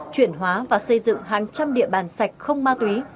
chuyển hóa và xây dựng hàng trăm địa bàn sạch không ma túy